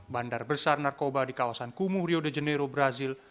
bandar besar narkoba di kawasan kumuh rio de janeiro brazil